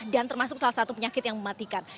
dan termasuk salah satu penyakit yang mematikan